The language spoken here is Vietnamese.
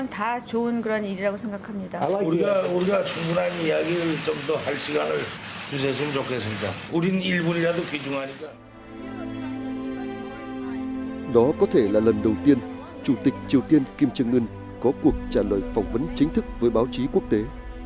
đó có thể là lần đầu tiên chủ tịch triều tiên kim trương ngân có cuộc trả lời phỏng vấn chính thức với báo chí quốc tế